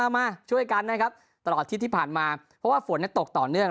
มาช่วยกันนะครับตลอดอาทิตย์ที่ผ่านมาเพราะว่าฝนตกต่อเนื่อง